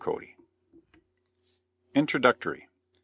Cody] INTRODUCTORY.